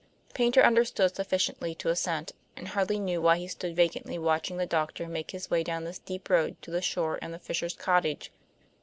Paynter understood sufficiently to assent, and hardly knew why he stood vacantly watching the doctor make his way down the steep road to the shore and the fisher's cottage.